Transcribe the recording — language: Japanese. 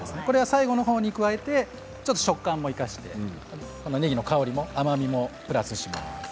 最後の方に加えてちょっと食感を生かしてねぎの香りも甘みもプラスします。